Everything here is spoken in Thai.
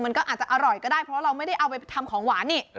มันก็อาจจะอร่อยก็ได้เพราะเราไม่ได้เอาไปทำของหวานนี่